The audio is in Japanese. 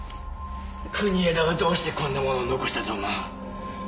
国枝がどうしてこんなものを残したと思う？